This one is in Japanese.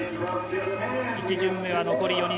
１巡目は残り４人。